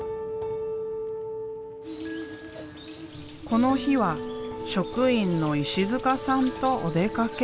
この日は職員の石塚さんとお出かけ。